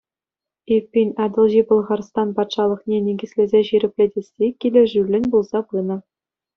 Эппин, Атӑлҫи Пӑлхарстан патшалӑхне никӗслесе ҫирӗплетесси килӗшӳллӗн пулса пынӑ.